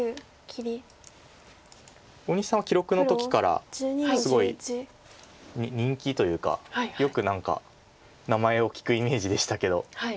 大西さんは記録の時からすごい人気というかよく名前を聞くイメージでしたけど。